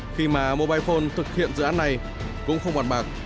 khi mà mobile phone thực hiện dự án này cũng không bàn bạc